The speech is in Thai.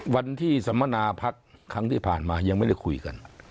วันที่สัมมนาพักครั้งที่ผ่านมายังไม่ได้คุยกัน